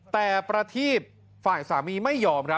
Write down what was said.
แต่ประทีปฝ่ายสามีไม่ยอม